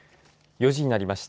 ４時になりました。